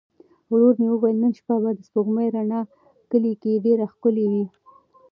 ورور مې وویل نن شپه به د سپوږمۍ رڼا کلي کې ډېره ښکلې وي.